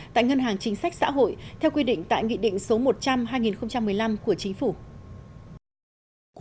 tại ngân hàng chính sách xã hội theo quy định tại nghị định số một trăm linh hai nghìn một mươi năm của chính phủ